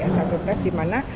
satu tes di mana